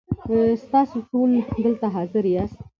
ستاسو ټول دلته حاضر یاست .